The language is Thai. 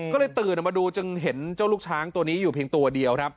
ก็เลยตื่นออกมาดูจึงเห็นเจ้าลูกช้างตัวนี้อยู่เพียงตัวเดียวครับ